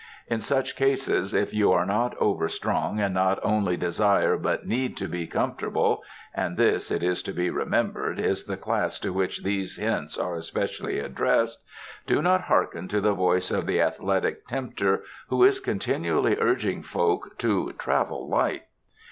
In such cases, if you are not over strong and not only desire but need to be com fortable — and this, it is to be remembered, is the class to which these hints are especially addressed — do not hearken to the voice of the athletic tempter who is continually urging folk to "travel light."